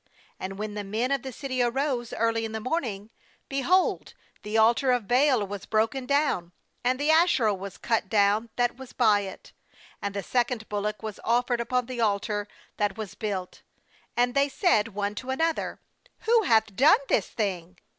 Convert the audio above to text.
28And when the men of the city arose early in the morning, behold, the altar of Baal was broken down, and the Asherah was cut down that was by it, and the second bullock was offered upon the altar that was built. 29And they said one to another: 'Who hath done this thing?'